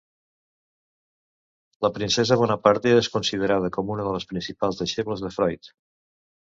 La princesa Bonaparte és considerada com una de les principals deixebles de Freud.